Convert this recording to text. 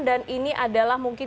dan ini adalah mungkin